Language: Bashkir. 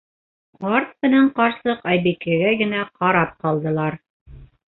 Ҡарт менән ҡарсыҡ Айбикәгә генә ҡарап ҡалдылар.